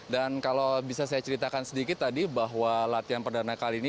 dan kalau bisa saya ceritakan sedikit tadi bahwa latihan perdana kali ini